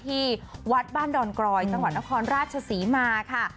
ที่วัดบ้านดอนกรอยสวรรค์นครราชสีมาค่ะ